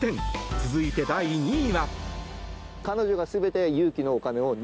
続いて、第２位は。